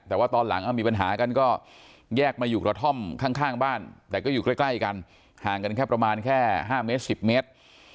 แต่ว่าตอนหลังมีปัญหากันก็แยกมาอยู่กระท่อมข้างบ้านแต่ก็อยู่ใกล้กันห่างกันแค่ประมาณแค่๕เมตร๑๐เมตร